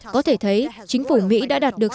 có thể thấy chính phủ mỹ đã đạt được